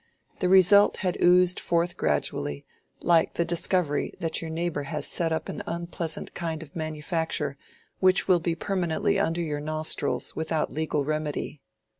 The result had oozed forth gradually, like the discovery that your neighbor has set up an unpleasant kind of manufacture which will be permanently under your nostrils without legal remedy.